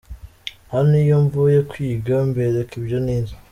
Hano iyo mvuye kwiga mbereka ibyo nize.